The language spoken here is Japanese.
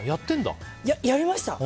やりました。